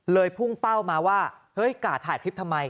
พุ่งเป้ามาว่าเฮ้ยกะถ่ายคลิปทำไม